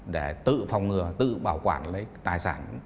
để tự phòng ngừa tự bảo quản lấy tài sản